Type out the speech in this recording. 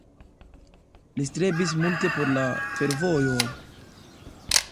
Li strebis multe por la fervojoj.